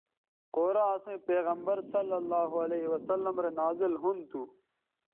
قرآن اسئیں پیغمبرؐ رے نازل ھُون تھو